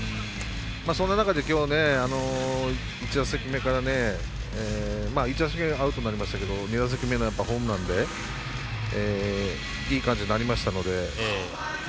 そんな中で、１打席目はアウトになりましたけど２打席目、ホームランでいい感じになりましたので。